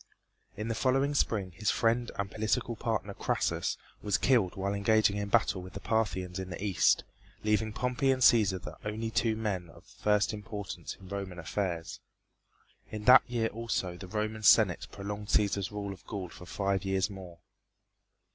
In the following spring his friend and political partner, Crassus, was killed while engaging in battle with the Parthians in the east, leaving Pompey and Cæsar the only two men of first importance in Roman affairs. In that year also the Roman Senate prolonged Cæsar's rule of Gaul for five years more.